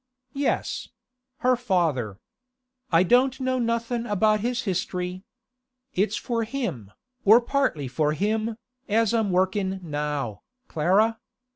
'Yes; her father. I don't know nothing about his history. It's for him, or partly for him, as I'm workin' now, Clara.